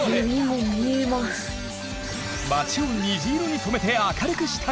町を虹色に染めて明るくしたい！